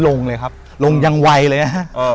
ลงเลยครับลงยังไวเลยนะฮะ